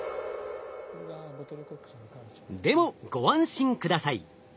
でもご安心下さい。